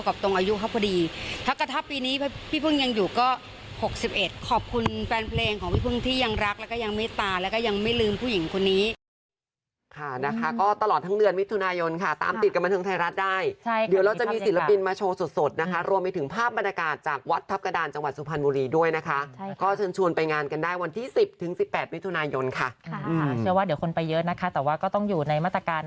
๖๑ขอบคุณแฟนเพลงของวิพึ่งที่ยังรักและก็ยังไม่ตาและก็ยังไม่ลืมผู้หญิงคนนี้